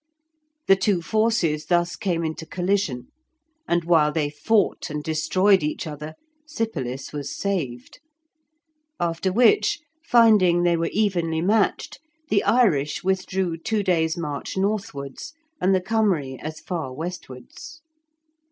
The two forces thus came into collision, and while they fought and destroyed each other, Sypolis was saved. After which, finding they were evenly matched, the Irish withdrew two days' march northwards, and the Cymry as far westwards.